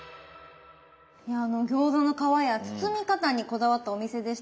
餃子の皮や包み方にこだわったお店でしたが。